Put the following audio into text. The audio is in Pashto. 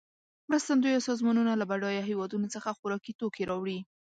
مرستندویه سازمانونه له بډایه هېوادونو څخه خوارکي توکې راوړي.